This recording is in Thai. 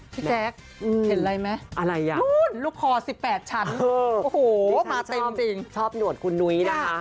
พี่แจ๊กเห็นอะไรไหมลูกคอสิบแปดชั้นโอ้โหมาเต็มจริงชอบหนวดคุณนุ้ยนะฮะ